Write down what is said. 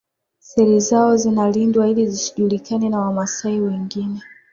Siri zao zinalindwa ili zisijulikane na Wamasai wengine